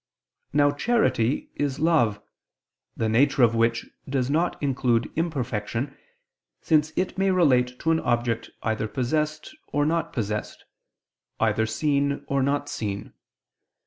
Now charity is love, the nature of which does not include imperfection, since it may relate to an object either possessed or not possessed, either seen or not seen.